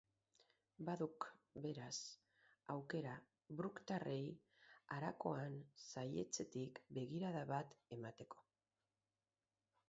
Baduk, beraz, aukera brooktarrei harakoan saihetsetik begirada bat emateko.